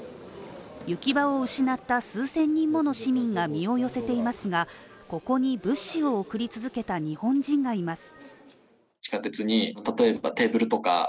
行き場を失った数千人もの市民が身を寄せていますが、ここに物資を送り続けた日本人がいます。